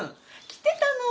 来てたの。